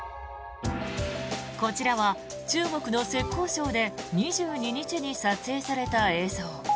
こちらは中国の浙江省で２２日に撮影された映像。